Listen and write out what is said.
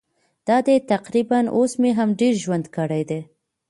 دا دی تقریباً اوس مې هم ډېر ژوند کړی دی.